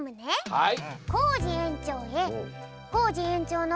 はい。